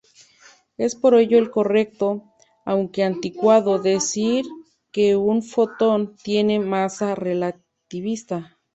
Es por ello correcto, aunque anticuado, decir que un fotón tiene masa relativista.